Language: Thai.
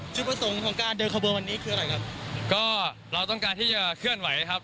จุดประสงค์ของการเดินขบวนวันนี้คืออะไรครับก็เราต้องการที่จะเคลื่อนไหวครับ